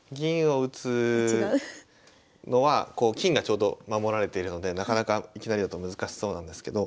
違う？のはこう金がちょうど守られているのでなかなかいきなりだと難しそうなんですけど。